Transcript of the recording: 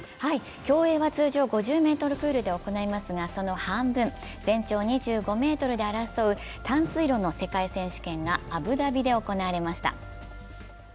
競泳は通常５０ｍプールで行いますがその半分、全長２５ｍで争う短水路の世界選手権がアブダビで行われました。